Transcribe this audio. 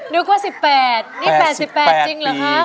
นึกว่า๑๘นี่๘๘จริงเหรอคะ